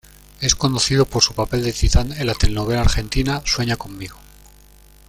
Es conocido por su papel de Titán en la telenovela argentina "Sueña conmigo".